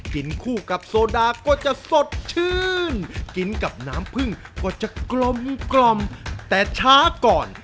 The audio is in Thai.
กินคู่กับโซดาก็จะสดชื่นกินกับน้ำผึ้งก็จะกลมกล่อมแต่ช้าก่อน